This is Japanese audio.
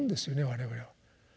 我々は。